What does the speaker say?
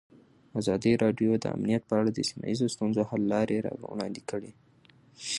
ازادي راډیو د امنیت په اړه د سیمه ییزو ستونزو حل لارې راوړاندې کړې.